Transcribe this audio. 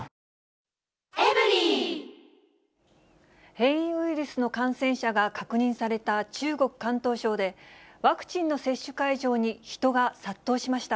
変異ウイルスの感染者が確認された中国・広東省で、ワクチンの接種会場に人が殺到しました。